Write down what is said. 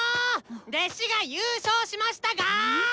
弟子が優勝しましたがーっ！